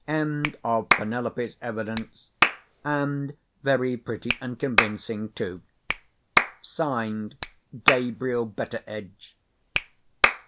End of Penelope's evidence—and very pretty and convincing, too. Signed, Gabriel Betteredge.